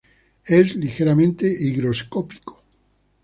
Es ligeramente higroscópico.